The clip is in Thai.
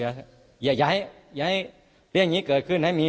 อย่าให้เรื่องนี้เกิดขึ้นให้มี